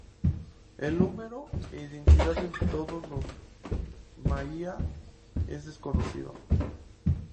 El número e identidad de todos los maiar es desconocido.